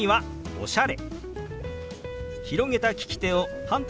「おしゃれ」。